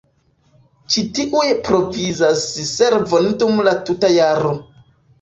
Ĉi tiuj provizas servon dum la tuta jaro.